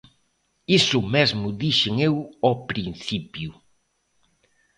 Iso mesmo dixen eu ao principio.